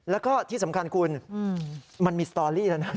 แล้วก็ที่สำคัญคุณมันมีสตอรี่แล้วนะ